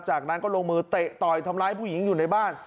จากนั้นก็ลงมือเตะต่อยทำร้ายผู้หญิงอยู่ในบ้าน